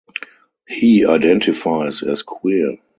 He identifies as queer.